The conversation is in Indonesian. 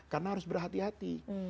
karena harus berhati hati